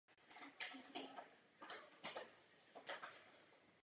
Po propuštění z námořnictva začal Cole fotografovat pro časopis "Life" v jižní Kalifornii.